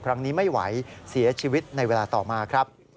ครั้งนี้ไม่ไหวเสียชีวิตในเวลาต่อมาครับ